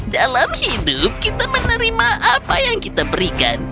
dalam hidup kita menerima apa yang kita berikan